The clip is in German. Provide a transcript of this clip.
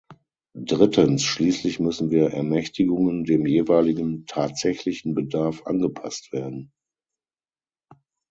Drittens schließlich müssen Ermächtigungen dem jeweiligen tatsächlichen Bedarf angepasst werden.